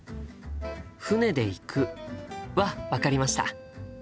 「船で行く」は分かりました。